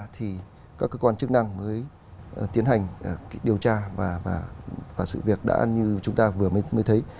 thì các cơ quan chức năng mới tiến hành điều tra và sự việc đã như chúng ta vừa mới thấy